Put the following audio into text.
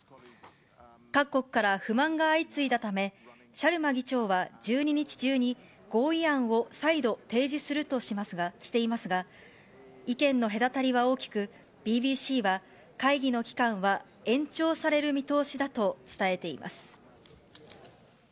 各国から不満が相次いだため、シャルマ議長は１２日中に合意案を再度提示するとしていますが、意見の隔たりは大きく、ＢＢＣは、会議の期間は延長される見通しだと伝えています。